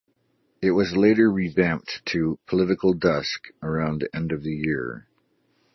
It was later revamped to "Political Desk" around the end of the year.